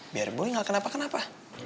biar boy gak kenapa kenapa